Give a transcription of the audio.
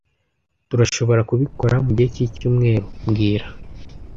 Turashobora kubikora mugihe cyicyumweru mbwira